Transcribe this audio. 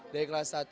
dari kelas satu